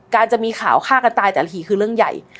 จะมีข่าวฆ่ากันตายแต่ละทีคือเรื่องใหญ่